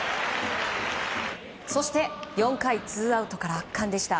そして４回ツーアウトから圧巻でした。